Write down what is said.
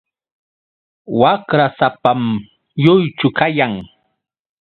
Waqrasapam lluychu kayan.